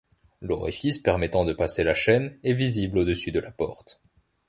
L’orifice permettant de passer la chaîne est visible au-dessus de la porte.